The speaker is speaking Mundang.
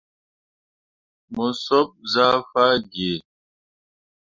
Mo sop zah fah gǝǝ.